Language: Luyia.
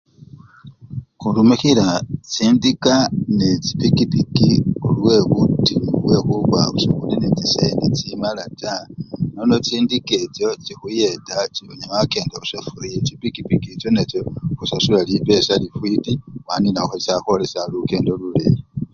Khurumikhila chindika nende chipikipiki lwebutinyu bwekhuba sekhuli nechisende chimala taa nono chindika echocho chikhuyeta onyala wakenda busa, nechipikipiki echonacho khusasula lipesa lifwiti khwaninakho chakhwolesa lukendo luleyi.